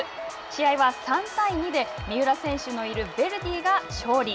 試合は３対２で三浦選手のいるヴェルディが勝利。